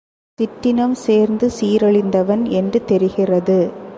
சிற்றினம் சேர்ந்து சீரழிந்தவன் என்று தெரிகிறது.